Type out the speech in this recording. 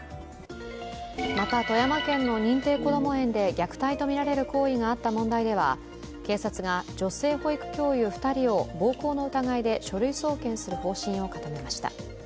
また富山県の認定こども園で虐待とみられる行為があった問題では警察が女性保育士２人を暴行の疑いで書類送検する方針を固めました。